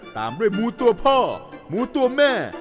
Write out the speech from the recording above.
ตามด้วยหมูตัวพ่อหมูตัวแม่